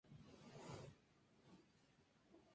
Se miran un momento y después, con mucha solemnidad, se besan.